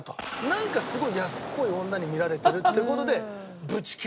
なんかすごい安っぽい女に見られてるって事で。